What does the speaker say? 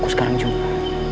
aku sekarang jumpa